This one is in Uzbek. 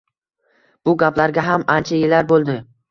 Bu gaplarga ham ancha yillar bo`ldi